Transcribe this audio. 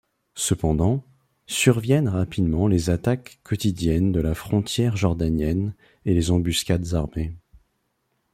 Cependant, surviennent rapidement les attaques quotidiennes de la frontière jordanienne, et les embuscades armées.